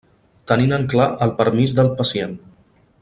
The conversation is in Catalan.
Tenint en clar el permís del pacient.